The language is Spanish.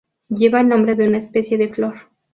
Lleva el nombre de una especie de flor.